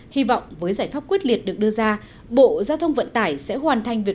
hy vọng với giải pháp quyết liệt được đưa ra bộ giao thông vận tải sẽ hoàn thành việc